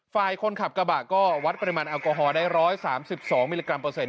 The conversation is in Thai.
ฝ่ายคนขับกระบะก็วัดปริมาณแอลกอฮอลได้๑๓๒มิลลิกรัเปอร์เซ็น